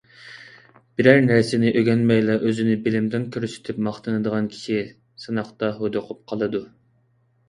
بىرەر نەرسىنى ئۆگەنمەيلا ئۆزىنى بىلىمدان كۆرسىتىپ ماختىنىدىغان كىشى سىناقتا ھودۇقۇپ قالىدۇ!